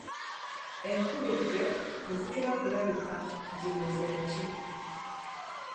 Enkulugge tezitera kulabikalabika, zino ze nki?